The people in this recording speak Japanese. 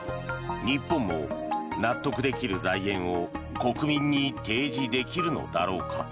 日本も納得できる財源を国民に提示できるのだろうか。